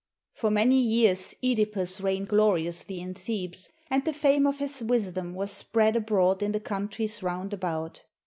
For many years (Edipus reigned gloriously in Thebes, and the fame of his wisdom was spread abroad in the countries round about.